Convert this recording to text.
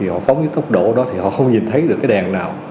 họ phóng với tốc độ đó thì họ không nhìn thấy được cái đèn nào